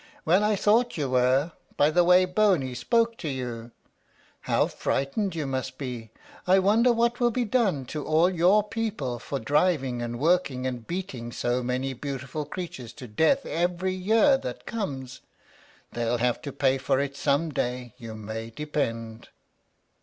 "Well, I thought you were, by the way Boney spoke to you. How frightened you must be! I wonder what will be done to all your people for driving, and working, and beating so many beautiful creatures to death every year that comes? They'll have to pay for it some day, you may depend."